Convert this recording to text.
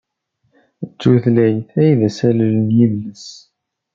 D tutlayt ay d asalel n yidles.